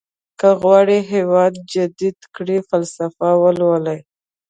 که غواړئ هېواد جديد کړئ فلسفه ولولئ.